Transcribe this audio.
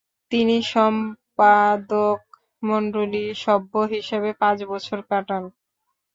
তিনি সম্পাদকমণ্ডলীর সভ্য হিসেবে পাঁচ বছর কাটান।